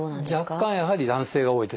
若干やはり男性が多いです。